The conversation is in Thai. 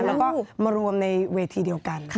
แล้วก็มารวมในเวทีเดียวกัน